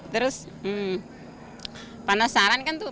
terus panasaran kan tuh